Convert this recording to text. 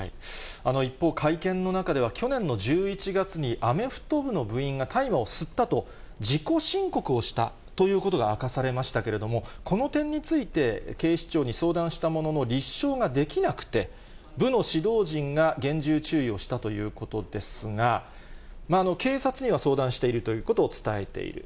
一方、会見の中では、去年の１１月に、アメフト部の部員が大麻を吸ったと、自己申告をしたということが明かされましたけれども、この点について、警視庁に相談したものの立証ができなくて、部の指導陣が厳重注意をしたということですが、警察には相談しているということを伝えている。